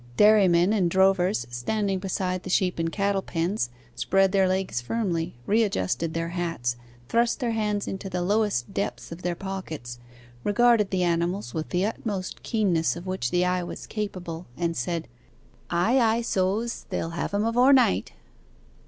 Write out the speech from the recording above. Dairymen and drovers standing beside the sheep and cattle pens, spread their legs firmly, readjusted their hats, thrust their hands into the lowest depths of their pockets, regarded the animals with the utmost keenness of which the eye was capable, and said, 'Ay, ay, so's: they'll have him avore night.